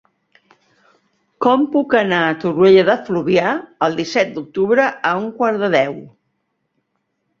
Com puc anar a Torroella de Fluvià el disset d'octubre a un quart de deu?